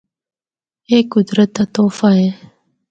اے قدرت دا تحفہ اے۔